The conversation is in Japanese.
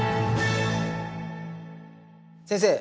先生